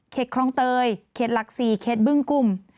เขตครองเตยเขตหลักศีร์เขตบึ้งกุ้ม